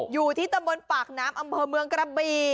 อยู่ที่ตำบลปากน้ำอำเภอเมืองกระบี